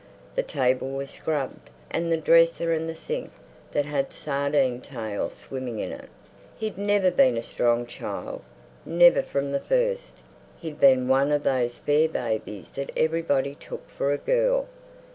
The table was scrubbed, and the dresser and the sink that had sardine tails swimming in it.... He'd never been a strong child—never from the first. He'd been one of those fair babies that everybody took for a girl.